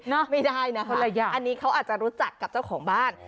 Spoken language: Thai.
นะอะไรอย่างไม่ได้นะคะอันนี้เขาอาจจะรู้จักกับเจ้าของบ้าน